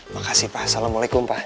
makasih pak assalamualaikum pak